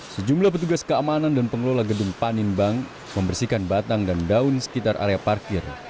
sejumlah petugas keamanan dan pengelola gedung panin bank membersihkan batang dan daun sekitar area parkir